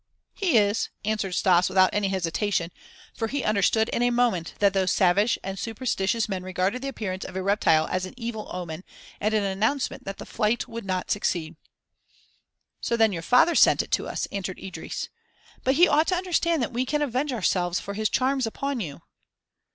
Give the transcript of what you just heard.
"He is," answered Stas without any hesitation, for he understood in a moment that those savage and superstitious men regarded the appearance of a reptile as an evil omen and an announcement that the flight would not succeed. "So then your father sent it to us," answered Idris, "but he ought to understand that we can avenge ourselves for his charms upon you."